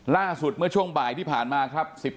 ล่าสุดเมื่อช่วงบ่ายที่ผ่านมาครับ